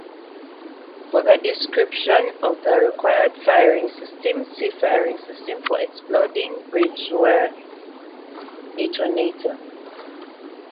For the description of the required firing system, see Firing system for exploding-bridgewire detonator.